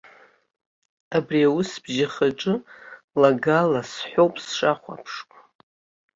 Абри аусбжьахаҿы лагаласҳәоуп сшаҳәаԥшуа.